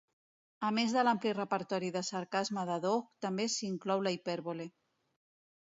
A més de l'ampli repertori de sarcasme de Doug, també s'hi inclou la hipèrbole.